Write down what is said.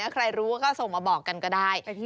ใครรู้ก็ส่งมาบอกกันก็ได้